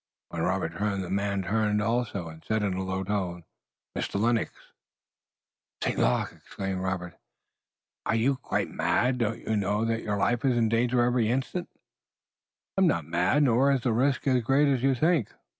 When Robert turned the man turned also and said in a low tone: "Mr. Lennox!" "St. Luc!" exclaimed Robert. "Are you quite mad? Don't you know that your life is in danger every instant?" "I am not mad, nor is the risk as great as you think.